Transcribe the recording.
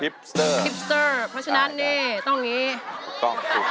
เพราะฉะนั้นเนี้ยต้องงี้